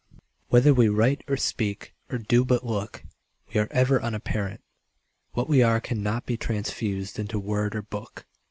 Whether we write or speak or do but look We are ever unapparent. What we are Cannot be transfused into word or book.